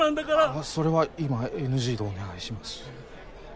ああそれは今ＮＧでお願いします。